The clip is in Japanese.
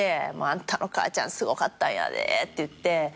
「あんたの母ちゃんすごかったんやで」っていって。